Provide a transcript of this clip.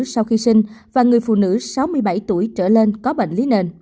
sau khi sinh và người phụ nữ sáu mươi bảy tuổi trở lên có bệnh